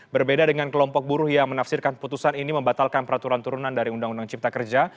berbeda dengan kelompok buruh yang menafsirkan putusan ini membatalkan peraturan turunan dari undang undang cipta kerja